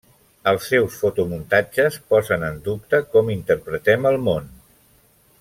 Els seus fotomuntatges posen en dubte com interpretem el món.